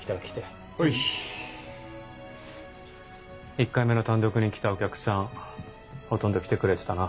１回目の「単独」に来たお客さんほとんど来てくれてたな。